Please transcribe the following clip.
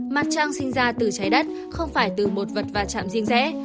mặt trăng sinh ra từ trái đất không phải từ một vật và chạm riêng rẽ